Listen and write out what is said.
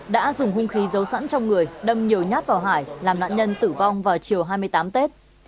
đã dùng hung khí giấu sẵn trong người đâm nhiều nhát vào hải làm nạn nhân tử vong vào chiều hai mươi tám tết